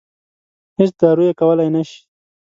هېڅ دارو یې کولای نه شي.